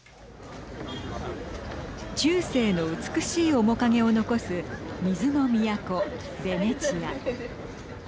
中世の美しい面影を残す水の都、ベネチア。